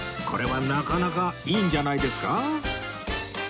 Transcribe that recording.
これはなかなかいいんじゃないですか？